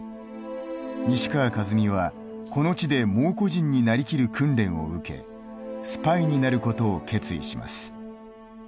西川一三はこの地で蒙古人に成りきる訓練を受けスパイになることを決意します。